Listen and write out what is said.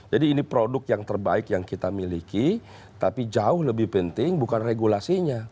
jadi ini produk yang terbaik yang kita miliki tapi jauh lebih penting bukan regulasinya